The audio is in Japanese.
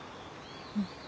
うん。